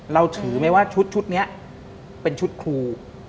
เราถือไหมว่าชุดนี้เป็นชุดครู